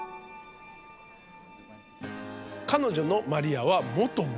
彼女のマリアは元モデル。